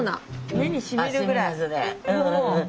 目にしみるぐらい。